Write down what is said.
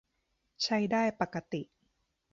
ใช้ได้ปกติ